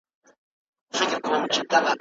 - مندوزی ليکوال او خبريال.